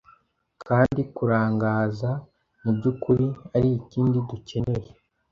Kandi kurangaza mubyukuri arikindi dukeneye